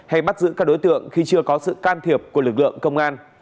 hay bắt giữ các đối tượng khi chưa có sự can thiệp của lực lượng công an